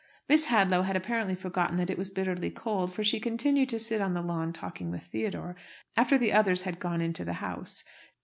Miss Hadlow had apparently forgotten that it was "bitterly cold:" for she continued to sit on the lawn talking with Theodore after the others had gone into the house.